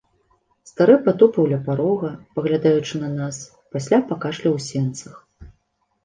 Стары патупаў ля парога, паглядаючы на нас, пасля пакашляў у сенцах.